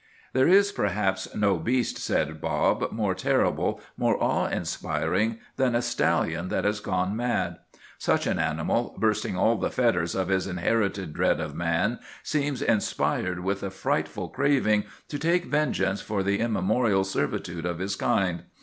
"There is perhaps no beast," said Bob, "more terrible, more awe inspiring, than a stallion that has gone mad. Such an animal, bursting all the fetters of his inherited dread of man, seems inspired with a frightful craving to take vengeance for the immemorial servitude of his kind.